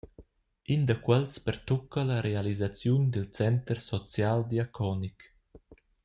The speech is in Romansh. In da quels pertucca la realisaziun dil center social-diaconic.